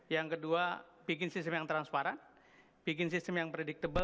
yang kedua bikin sistem yang transparan bikin sistem yang predictable